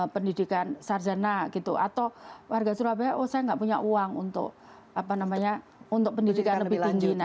pendidikan sarjana gitu atau warga surabaya oh saya tidak punya uang untuk pendidikan lebih tinggi